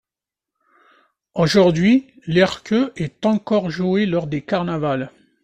Aujourd'hui l'erke est encore joué lors des carnavals.